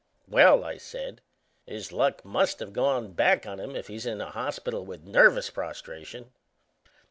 "Well," I said, "his luck must have gone back on him if he's in a hospital with nervous prostration."